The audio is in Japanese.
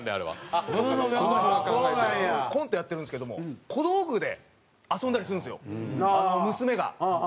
コントやってるんですけども小道具で遊んだりするんですよ娘が。